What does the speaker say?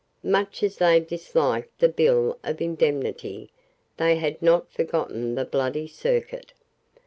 Much as they disliked the Bill of Indemnity, they had not forgotten the Bloody Circuit.